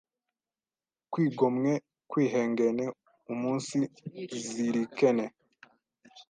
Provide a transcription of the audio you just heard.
kwigomwe, kwihengene, umunsizirikene,